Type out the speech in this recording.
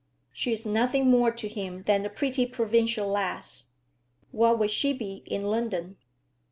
"She's nothing more to him than a pretty provincial lass. What would she be in London?"